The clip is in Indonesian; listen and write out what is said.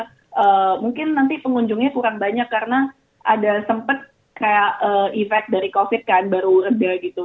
nah mungkin nanti pengunjungnya kurang banyak karena ada sempet kayak effect dari covid kan baru ada gitu